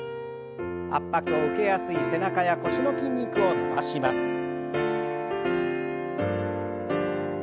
圧迫を受けやすい背中や腰の筋肉を伸ばします。